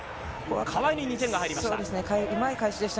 川井に２点が入りました。